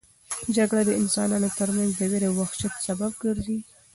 جګړه د انسانانو ترمنځ د وېرې او وحشت سبب ګرځي.